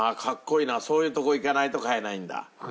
そういうとこ行かないと買えないんだ。